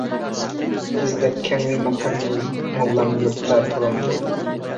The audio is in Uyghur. ئىزدەپ كەڭرى ماكاننى موللام يۇرتتا تۇرامدۇ.